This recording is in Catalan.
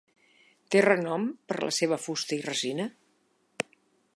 Té renom per la seva fusta i resina.